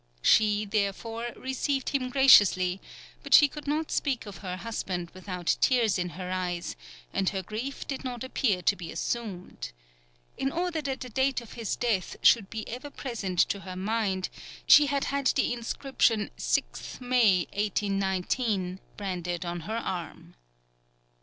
She, therefore, received him graciously, but she could not speak of her husband without tears in her eyes, and her grief did not appear to be assumed. In order that the date of his death should be ever present to her mind she had had the inscription 6th May, 1819, branded on her arm.